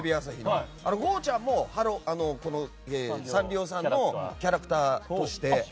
ゴーちゃん。も、サンリオさんのキャラクターとして。